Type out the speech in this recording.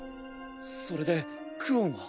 それでクオンは？